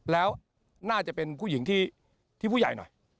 แล้วน่าจะเป็นผู้หญิงที่ผู้ใหญ่หน่อย